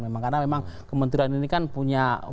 karena memang kementerian ini kan punya